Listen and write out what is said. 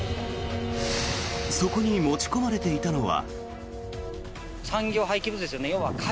そこに持ち込まれていたのは。